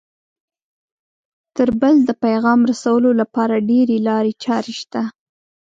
تر بل د پیغام رسولو لپاره ډېرې لارې چارې شته